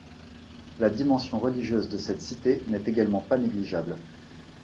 La dimension religieuse de cette cité n’est également pas négligeable.